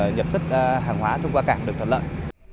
nhập xuất hàng hóa thông qua cảng được thuận lợi